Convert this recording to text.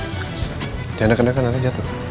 eh jangan dekat dekat nanti jatuh